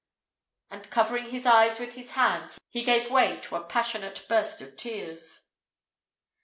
and covering his eyes with his hands, he gave way to a passionate burst of tears.